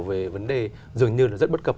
về vấn đề dường như là rất bất cập